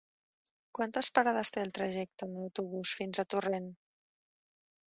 Quantes parades té el trajecte en autobús fins a Torrent?